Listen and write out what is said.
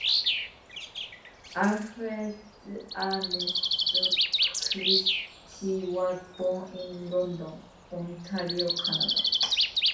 Alfred Ernest Christie was born in London, Ontario, Canada.